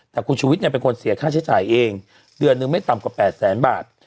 แต่คุณชูวิทย์เป็นคนเสียค่าใช้จ่ายเองเดือนนึงไม่ต่ำกว่า๘แสนบาท